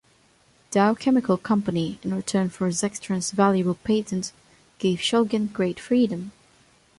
Dow Chemical Company, in return for Zectran's valuable patent, gave Shulgin great freedom.